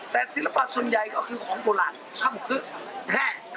แต่ศิลปะส่วนใหญ่ก็คือของโบราณค่ำคึกแห้ง